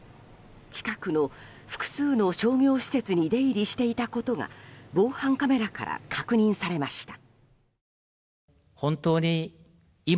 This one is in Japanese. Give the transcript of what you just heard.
近くの複数の商業施設に出入りしていたことが防犯カメラから確認されました。